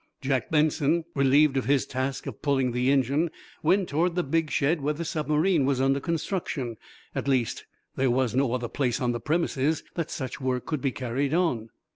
Jack Benson, relieved of his task of pulling the engine, went toward the big shed where the submarine was under construction at least, there was no other place on the premises that such work could be carried on.